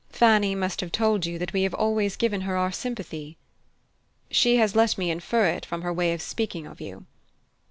Fanny must have told you that we have always given her our sympathy." "She has let me infer it from her way of speaking of you."